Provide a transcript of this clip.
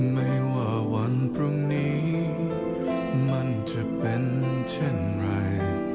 ไม่ว่าวันพรุ่งนี้มันจะเป็นเช่นไร